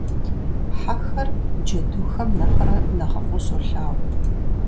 Хьэхэр джэдухэм нэхърэ нэхъыфӀу солъагъу.